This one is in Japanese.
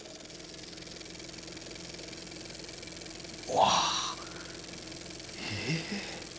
わあえ？